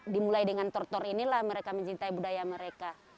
dimulai dengan tor tor inilah mereka mencintai budaya mereka